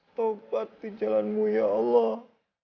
tobat di jalanmu ya allah